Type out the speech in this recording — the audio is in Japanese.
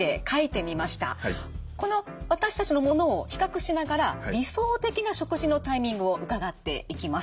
この私たちのものを比較しながら理想的な食事のタイミングを伺っていきます。